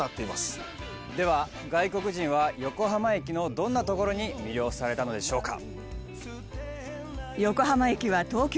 磯村：では、外国人は横浜駅のどんなところに魅了されたのでしょうか？